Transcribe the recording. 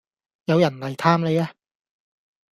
有人黎探你呀